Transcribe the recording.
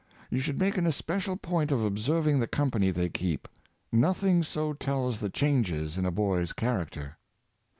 You should make an especial point of observing the company they keep: nothing so tells the changes in a boy's character."